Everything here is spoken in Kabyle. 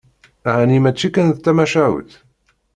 Ɛni mačči kan d tamacahut?